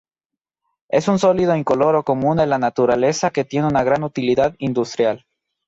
Es un sólido incoloro común en la naturaleza que tiene una gran utilidad industrial.